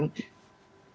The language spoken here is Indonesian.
kita harus siapkan